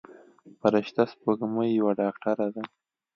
فرشته سپوږمۍ یوه ډاکتره ده.